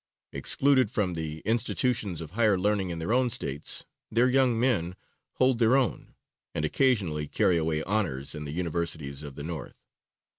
Excluded from the institutions of higher learning in their own States, their young men hold their own, and occasionally carry away honors, in the universities of the North.